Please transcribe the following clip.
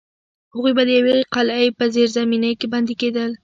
هغوی به د یوې قلعې په زیرزمینۍ کې بندي کېدل.